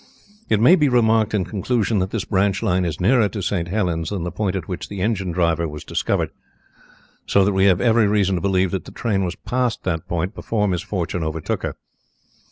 It may be remarked in conclusion that this branch line is nearer to St. Helens than the point at which the engine driver was discovered, so that we have every reason to believe that the train was past that point before misfortune overtook her.